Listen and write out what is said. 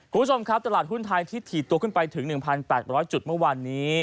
คุณผู้ชมครับตลาดหุ้นไทยที่ถีดตัวขึ้นไปถึง๑๘๐๐จุดเมื่อวานนี้